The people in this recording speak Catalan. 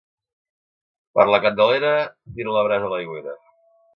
Per la Candelera tira la brasa a l'aigüera.